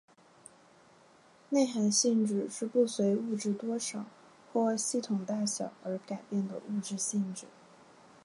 内含性质是不随物质多少或系统大小而改变的物理性质。